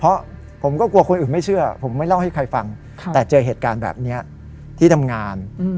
เพราะผมก็กลัวคนอื่นไม่เชื่อผมไม่เล่าให้ใครฟังแต่เจอเหตุการณ์แบบนี้ที่ทำงาน